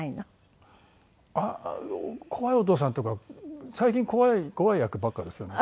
あの怖いお父さんというか最近怖い役ばっかですよね。